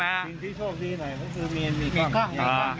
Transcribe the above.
จริงที่โชคดีหน่อยก็คือมีกล้อง